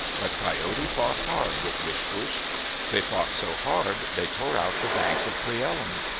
But Coyote fought hard with Wishpoosh. They fought so hard, they tore out the banks of Cle el lum.